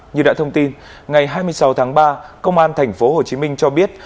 như đã thông tin ngày hai mươi sáu tháng ba công an tp hcm cho biết